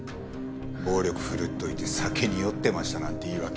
暴力振るっておいて酒に酔ってましたなんて言い訳。